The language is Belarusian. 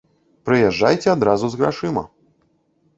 Прыязджайце адразу з грашыма.